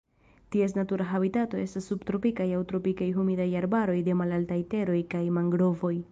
Ties natura habitato estas subtropikaj aŭ tropikaj humidaj arbaroj de malaltaj teroj kaj mangrovoj.